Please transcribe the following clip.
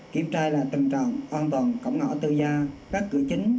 kiểm tra là tầm trọng an toàn cổng ngõ tư gia các cửa chính